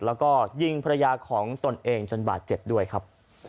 แล้วก็ยิงภรรยาของตนเองจนบาดเจ็บด้วยครับ